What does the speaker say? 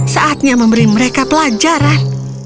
saatnya memberi mereka pelajaran